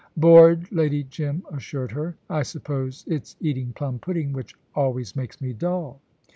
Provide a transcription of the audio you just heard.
"Bored," Lady Jim assured her. "I suppose it's eating plum pudding which always makes me dull."